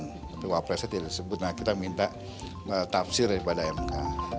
tapi wapresnya tidak disebut nah kita minta tapsir dari pada mk